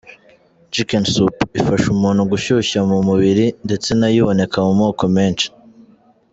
Chicken Soup” ifasha umuntu gushyuha mu mubiri, ndetse na yo iboneka mu moko menshi.